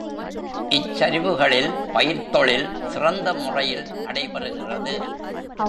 இச் சரிவுகளில் பயிர்த்தொழில் சிறந்த முறையில் நடைபெறுகிறது.